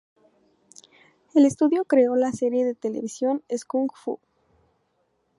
El estudio creó la serie de televisión Skunk Fu!